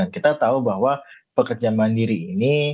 kita tahu bahwa pekerjaan mandiri ini